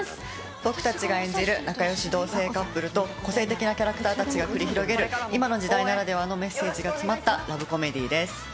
僕たちが演じる仲よし同棲カップルと、個性的なキャラクターたちが繰り広げる今の時代ならではのメッセージが詰まったラブコメディーです。